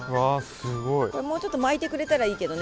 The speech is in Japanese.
もうちょっと巻いてくれたらいいけどね